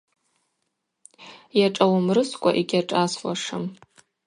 Йашӏауымрыскӏва йгьашӏасуашым.